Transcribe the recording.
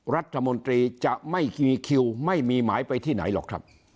รัฐมนตรีจะไม่มีคิวไม่มีหมายไปที่ไหนหรอกครับ